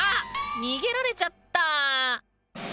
逃げられちゃった！